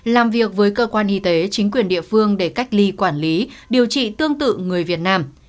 làm việc với cơ quan y tế chính quyền địa phương để cách ly quản lý điều trị tương tự người việt nam